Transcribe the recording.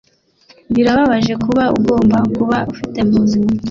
Birababaje kuba agomba kuba afite ubuzima bubi